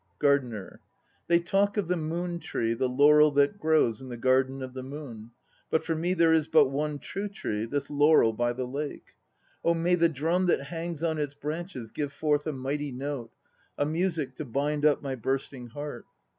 99 ) GARDENER. They talk of the moon tree, the laurel that grows in the Garden of the Moon. ... But for me there is but one true tree, this laurel by the lake. Oh, may the drum that hangs on its branches give forth a mighty note, a music to bind up my bursting heart.